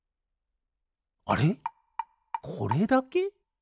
あれこれだけ？